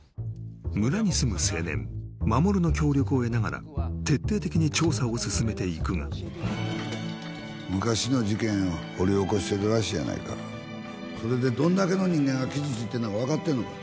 村に住む青年守の協力を得ながら徹底的に調査を進めていくが昔の事件を掘り起こしてるらしいやないかそれでどんだけの人間が傷ついてるのか分かってるのか？